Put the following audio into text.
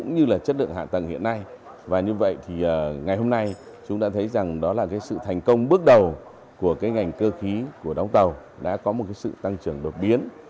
ngày hôm nay chúng ta thấy rằng đó là sự thành công bước đầu của ngành cơ khí của đóng tàu đã có một sự tăng trưởng đột biến